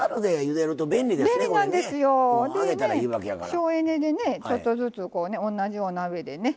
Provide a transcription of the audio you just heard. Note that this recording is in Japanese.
省エネでねちょっとずつ同じような鍋でね